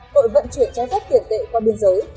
tội vận chuyển trái phép tiền tệ qua biên giới